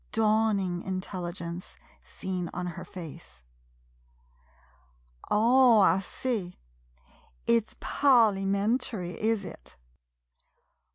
Dawning intelligence seen on her face.] Oh, I see — it's parlymentry, is it?